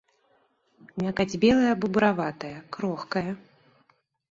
Мякаць белая або бураватая, крохкая.